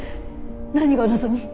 何がお望み？